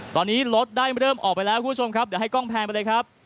ตอนนี้รถได้เริ่มออกไปแล้วคุณผู้ชมครับเดี๋ยวให้กล้องแพงไปเลยครับ